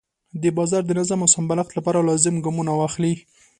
د بازار د نظم او سمبالښت لپاره لازم ګامونه واخلي.